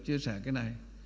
chia sẻ cái này